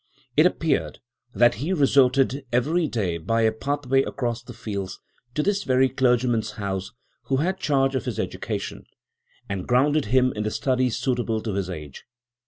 It appeared that he resorted, every day, by a pathway across the fields, to this very clergyman's house, who had charge of his education, and grounded him in the studies suitable to his age.